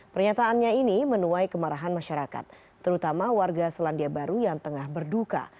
pernyataannya ini menuai kemarahan masyarakat terutama warga selandia baru yang tengah berduka